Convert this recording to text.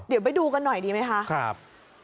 เดี๋ยวไปดูกันหน่อยดีไหมคะครับ